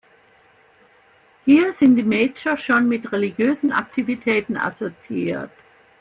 Hier sind die Mager schon mit religiösen Aktivitäten assoziiert.